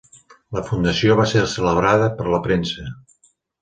La fundació va ser celebrada per la premsa.